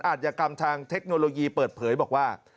อาจยกรรมทางเทคโนโลยีเปิดเผยบอกว่า